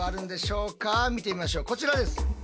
見てみましょうこちらです。